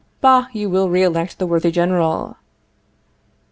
Bah, you will re elect the worthy General.